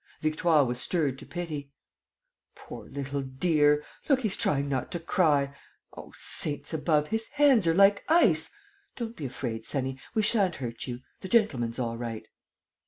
Victoire was stirred to pity: "Poor little dear! Look, he's trying not to cry!... Oh, saints above, his hands are like ice! Don't be afraid, sonnie, we sha'n't hurt you: the gentleman's all right."